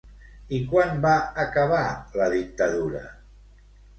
I quan va acabar la dictadura?